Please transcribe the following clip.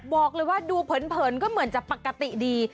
บอกเลยว่าดูเผินก็เหมือนจะปกติดี